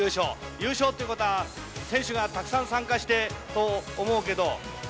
優勝ということは、選手がたくさん参加してと思うけど。